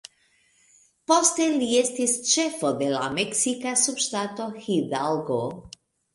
Poste li estis ĉefo de la meksika subŝtato Hidalgo.